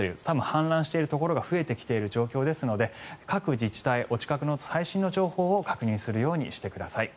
氾濫したところが増えてきている状況ですので各自治体、お近くの最新の情報を確認するようにしてください。